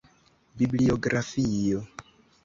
Bibliografio.